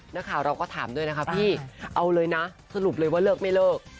นักข่าวเราก็ถามด้วยนะคะพี่เอาเลยนะสรุปเลยว่าเลิกไม่เลิก